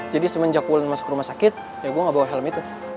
jadi semenjak wulan masuk rumah sakit ya gue gak bawa helm itu